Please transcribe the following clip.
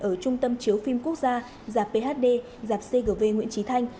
ở trung tâm chiếu phim quốc gia giạp phd giạp cgv nguyễn trí thanh